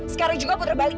sekarang juga puter balik